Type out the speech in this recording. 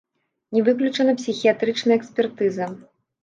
Не выключана псіхіятрычная экспертыза.